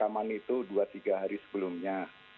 saya nge tweet rekaman itu dua tiga hari sebelumnya